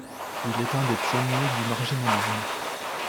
Il est un des pionniers du marginalisme.